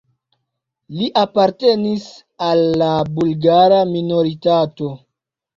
Li apartenis al la bulgara minoritato.